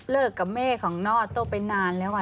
เลิกกับแม่ของน้องออโต้ไปนานแล้ว